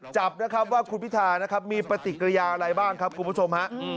จับนะครับว่าคุณพิธานะครับมีปฏิกิริยาอะไรบ้างครับคุณผู้ชมฮะ